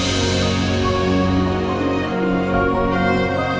mencintai saya dengan sangat ragu